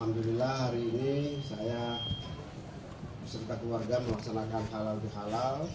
alhamdulillah hari ini saya berserta keluarga melaksanakan halal di halal